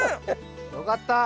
よかった！